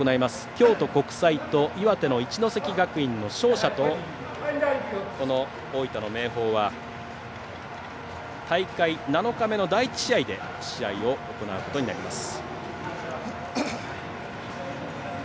京都国際と岩手の一関学院の勝者と大分の明豊は大会７日目の第１試合で試合することになります。